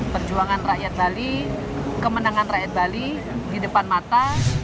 perjuangan rakyat bali kemenangan rakyat bali di depan mata